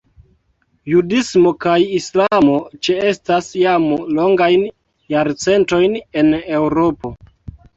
Judismo kaj islamo ĉeestas jam longajn jarcentojn en Eŭropo.